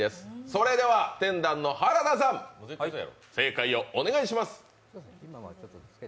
それでは天壇の原田さん、正解をお願いします。